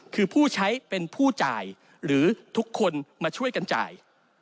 คือผู้ใช้เป็นผู้จ่ายหรือทุกคนมาช่วยกันจ่าย